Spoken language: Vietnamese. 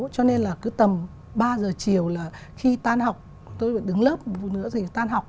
cho nên là cứ tầm ba h chiều là khi tan học tôi đứng lớp một phút nữa thì tan học